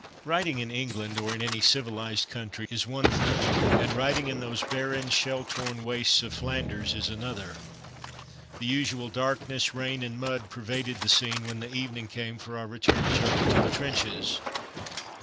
Riding in England, or in any civilized country, is one thing, and riding in those barren, shell torn wastes of Flanders is another. The usual darkness, rain and mud pervaded the scene when the evening came for our return journey to the trenches.